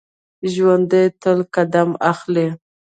ژوندي تل قدم اخلي